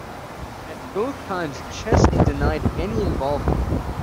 At both times, Chesney denied any involvement.